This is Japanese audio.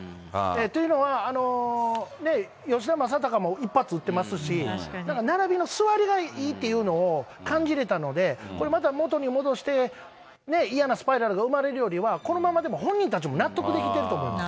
というのは、吉田正尚も一発打ってますし、並びのすわりがいいっていうのを感じれたので、これまた元に戻して嫌なスパイラルが生まれるよりもこのままでも、本人たちも納得できてると思います。